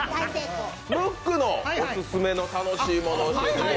ムックのオススメの楽しいものを教えてください。